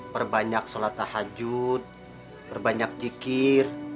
berbanyak sholat tahajud berbanyak jikir